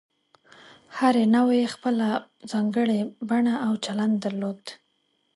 هرې نوعې خپله ځانګړې بڼه او چلند درلود.